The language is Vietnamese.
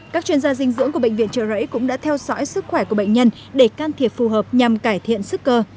các chuyên gia dinh dưỡng của bệnh viện trợ rẫy cũng đã theo dõi sức khỏe của bệnh nhân để can thiệp phù hợp nhằm cải thiện sức cơ